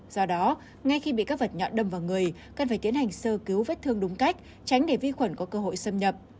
do đó ngay khi bị các vật nhọn đâm vào người cần phải tiến hành sơ cứu vết thương đúng cách tránh để vi khuẩn có cơ hội xâm nhập